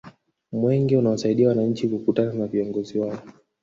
mwenge unawasaidia wananchi kukutana na viongozi wao